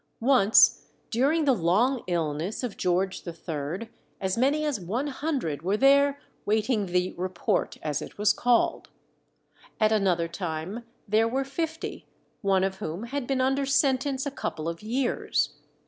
Once, during the long illness of George III., as many as one hundred were there waiting the "Report," as it was called. At another time there were fifty, one of whom had been under sentence a couple of years.